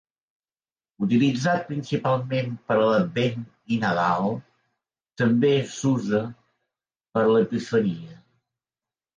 Utilitzat principalment per a Advent i Nadal, també s'usa per a l'Epifania.